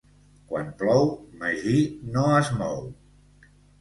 Quan plou, Magí no es mou